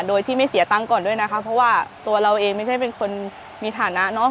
โดยที่ไม่เสียตังค์ก่อนด้วยนะคะเพราะว่าตัวเราเองไม่ใช่เป็นคนมีฐานะเนาะ